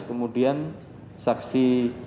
kemudian saksi marwan amir